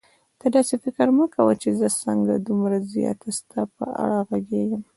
ته داسې فکر مه کوه چې زه څنګه دومره زیاته ستا په اړه غږېږم.